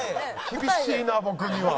厳しいな僕には。